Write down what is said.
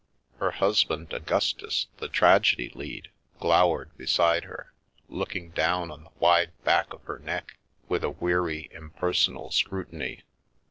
Her husband, Augustus, the tragedy lead, glowered beside her, looking down on the wide back of her neck with a weary, im personal scrutiny.